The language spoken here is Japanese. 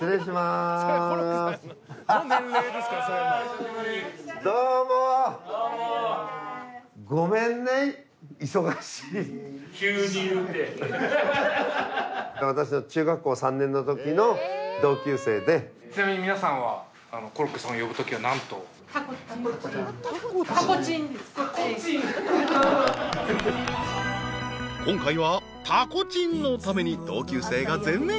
［今回はたこちんのために同級生が全面協力］